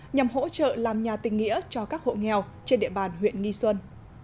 nhằm hỗ trợ làm nhà tình nghĩa cho các hộ nghèo trên địa bàn huyện nghi xuân